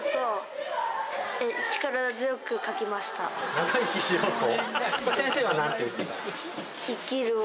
長生きしようと？